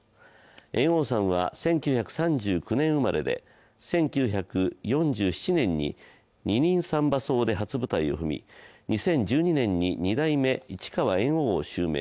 猿翁さんは１９３９年生まれで１９４７年に「二人三番叟」で初舞台を踏み、２０１２年に二代目市川猿翁を襲名。